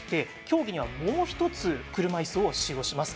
競技にはもう１つ車いすを使用します。